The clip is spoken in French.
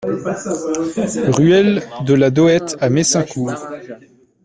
Ruelle de la Dohette à Messincourt